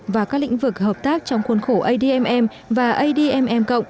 và các lĩnh vực hợp tác trong khuôn khổ admm và admm cộng